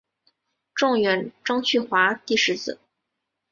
状元张去华第十子。